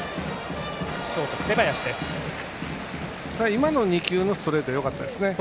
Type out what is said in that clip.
今の２球のストレートよかったですね。